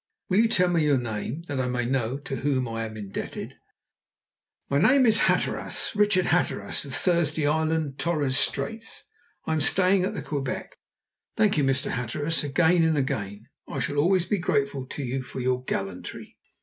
"Will you tell me your name, that I may know to whom I am indebted?" "My name is Hatteras. Richard Hatteras, of Thursday Island, Torres Straits. I am staying at the Quebec." "Thank you, Mr. Hatteras, again and again. I shall always be grateful to you for your gallantry!"